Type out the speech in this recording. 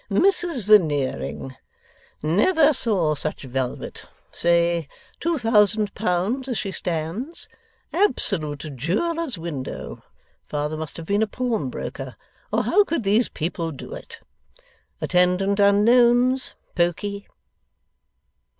Mrs Veneering; never saw such velvet, say two thousand pounds as she stands, absolute jeweller's window, father must have been a pawnbroker, or how could these people do it? Attendant unknowns; pokey.